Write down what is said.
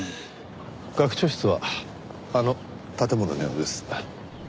学長室はあの建物のようです。